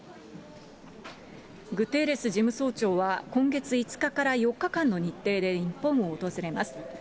グテーレス事務総長は、今月５日から４日間の日程で日本を訪れます。